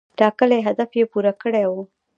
ټاکلی هدف یې پوره کړی و.